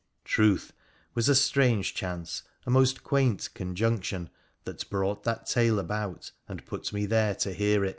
Truth, 'twas a strange chance, a most quaint con junction, that brought that tale about, and put me there to hear it